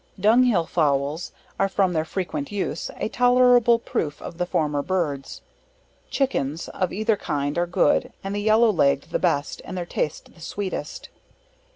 Dunghill Fowls, are from their frequent use, a tolerable proof of the former birds. Chickens, of either kind are good, and the yellow leg'd the best, and their taste the sweetest.